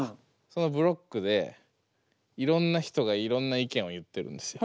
そのブロックでいろんな人がいろんな意見を言ってるんですよ。